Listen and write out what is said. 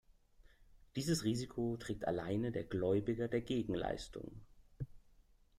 Dieses Risiko trägt alleine der Gläubiger der Gegenleistung.